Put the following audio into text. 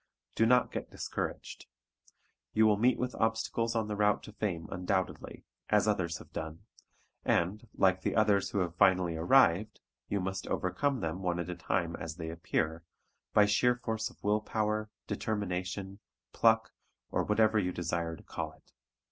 Do not get discouraged. You will meet with obstacles on the route to fame undoubtedly, as others have done, and, like the others who have finally arrived, you must overcome them one at a time as they appear, by sheer force of willpower, determination, pluck or whatever you desire to call it.